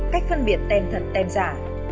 cách phân biệt tem thật tem giả